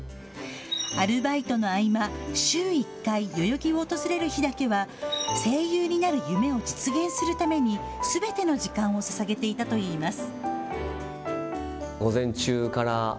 アルバイトの合間、週１回、代々木を訪れる日だけは声優になる夢を実現するためにすべての時間をささげていたといいます。